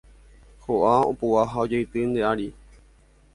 Ho'a, opu'ã ha ojeity nde ári